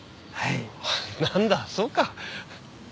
なんだそうか。